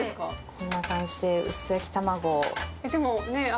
こんな感じで薄焼き卵を。